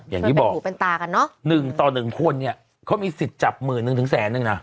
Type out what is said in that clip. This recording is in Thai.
อย่างนี้บอก๑ต่อ๑คนเขามีสิทธิ์จับหมื่นถึงแสนนึงนะ